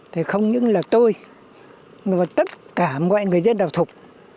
thì không những là tôi mà tất cả mọi người dân đào thục